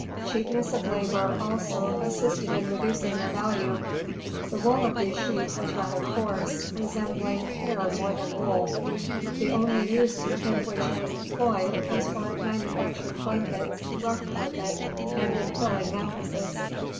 Cheapness of labor, also, assisted in reducing their value. The wool of these sheep was rather coarse, resembling hair more than wool. The only use in which it was employed, was for manufacturing blankets, rough carpet, and in filling mattresses.